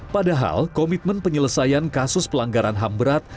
padahal komitmen penyelesaian kasus pelanggaran ham berat